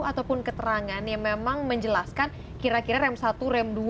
ataupun keterangan yang memang menjelaskan kira kira rem satu rem dua